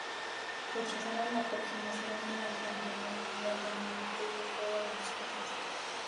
Rechazaron la aproximación de la infantería enemiga con un nutrido fuego de mosquetes.